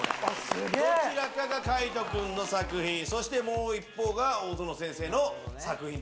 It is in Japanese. どちらかが海人君の作品もう一方が大薗先生の作品。